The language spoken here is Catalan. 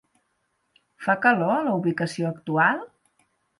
Fa calor a la ubicació actual?